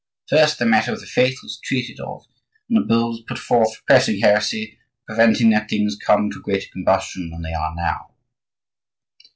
First, the matter of the Faith was treated of, and a bull was put forth repressing heresy and preventing that things come to greater combustion than they now are.